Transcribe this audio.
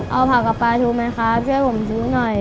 เอาผักกับปลาทูไหมครับช่วยผมชู้หน่อย